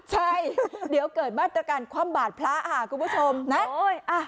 ใช่เดี๋ยวเกิดมาตรการความบาดพระอ่ะคุณผู้ชมน่ะโอ้ยอ่ะ